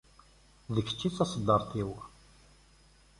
D kečč i d taseddarit-iw.